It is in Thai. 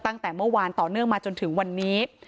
ตั้งแต่เมื่อวานต่อเนื่องมาจนถึงวันนี้